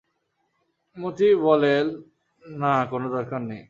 মতি বলেল, না কোনো দরকার নেই!